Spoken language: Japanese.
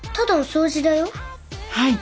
はい！